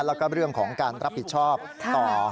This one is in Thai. แล้วก็เรื่องของการรับผิดชอบต่อ